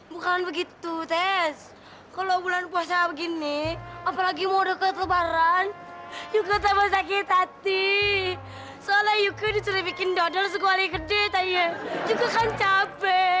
bukan begitu tes kalau bulan puasa begini apalagi mau deket lebaran yuk akan sakit hati soalnya yuk kan dicurip bikin dodol sekuali gede tanya yuk akan capek